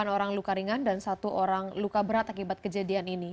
delapan orang luka ringan dan satu orang luka berat akibat kejadian ini